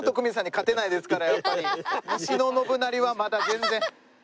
西の信成はまだ全然。